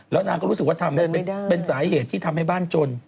แล้วนางก็รู้สึกว่าทำได้เป็นสาเหตุที่ทำให้บ้านจน